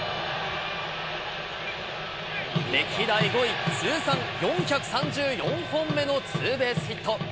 歴代５位、通算４３４本目のツーベースヒット。